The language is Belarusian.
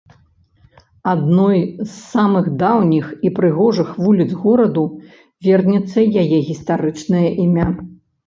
Адной з самых даўніх і прыгожых вуліц гораду вернецца яе гістарычнае імя.